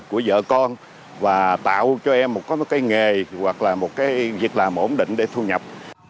của vợ con và tạo cho em một cái nghề hoặc là một cái việc làm ổn định để thu nhập